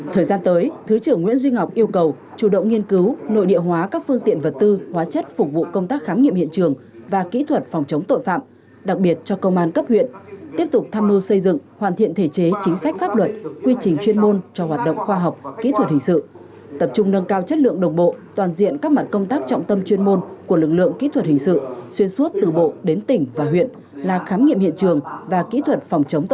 thời gian tới thứ trưởng nguyễn duy ngọc yêu cầu chủ động nghiên cứu nội địa hóa các phương tiện vật tư hóa chất phục vụ công tác khám nghiệm hiện trường và kỹ thuật phòng chống tội phạm đặc biệt cho công an cấp huyện tiếp tục tham mưu xây dựng hoàn thiện thể chế chính sách pháp luật quy trình chuyên môn cho hoạt động khoa học kỹ thuật hình sự tập trung nâng cao chất lượng đồng bộ toàn diện các mặt công tác trọng tâm chuyên môn của lực lượng kỹ thuật hình sự xuyên suốt từ bộ đến tỉnh và huyện là khám nghiệm